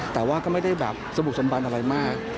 แต่ว่าก็ไม่ได้แบบสบู่สมบันอะไรมาก